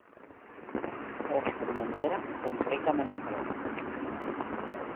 Ώσπου μια μέρα τον βρήκαμε νεκρό.